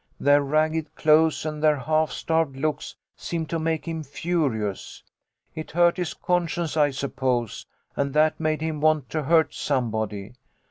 Their ragged clothes and their half starved looks seemed to make him furious. It hurt his conscience, I suppose, and that made him want to hurt somebody.